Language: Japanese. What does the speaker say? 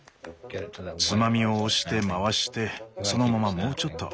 つまみを押して回してそのままもうちょっと。